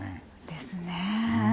ですね。